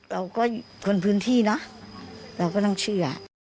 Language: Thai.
เราก็คนพื้นที่นะเราก็ต้องเชื่อ